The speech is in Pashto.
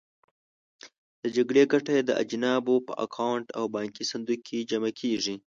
د جګړې ګټه یې د اجانبو په اکاونټ او بانکي صندوق کې جمع کېږي.